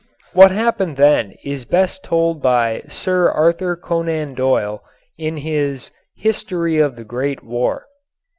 What happened then is best told by Sir Arthur Conan Doyle in his "History of the Great War."